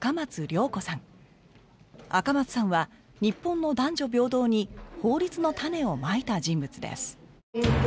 赤松さんは日本の男女平等に法律の種をまいた人物です